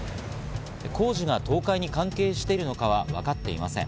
工事が倒壊に関係しているのかは分かっていません。